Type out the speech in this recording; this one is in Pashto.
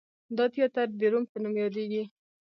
دا تیاتر د روم په نوم یادیږي.